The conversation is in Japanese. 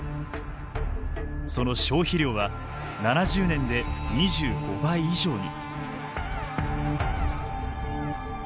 その消費量は７０年で２５倍以上に。